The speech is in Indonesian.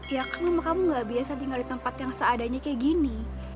ya kamu gak biasa tinggal di tempat yang seadanya kayak gini